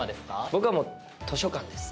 僕はもう図書館です。